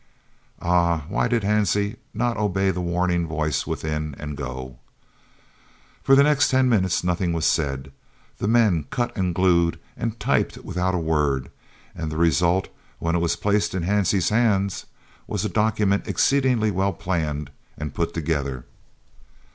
Ah, why did Hansie not obey the warning voice within, and go? For the next ten minutes nothing was said. The men cut and glued and typed without a word, and the result, when it was placed in Hansie's hands, was a document exceedingly well planned and put together.